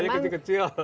ini memang kecil kecil